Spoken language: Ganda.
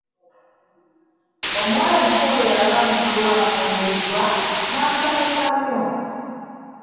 Omuwala omuto bwe yalaba mukulu we afumbiddwa n'asanyuka nnyo.